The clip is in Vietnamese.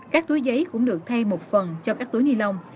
các túi giấy cũng được thay một phần cho các túi ni lông